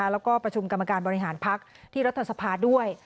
แล้วก็ประชุมกรรมการบริหารพักที่รัฐสภาด้วย